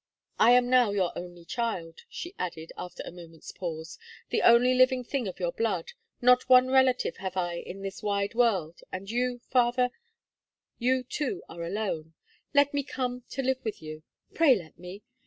"I am now your only child," she added, after a moment's pause; "the only living thing of your blood, not one relative have I in this wide world; and you, father, you too are alone. Let me come to live with you. Pray let me!